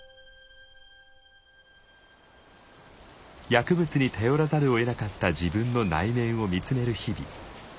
薬物に頼らざるをえなかった自分の内面を見つめる日々。